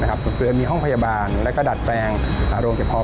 ก็คือมีห้องพยาบาลแล้วก็ดัดแปลงโรงเก็บพอ